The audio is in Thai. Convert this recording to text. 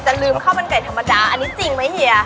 ลืมข้าวมันไก่ธรรมดาอันนี้จริงไหมเฮีย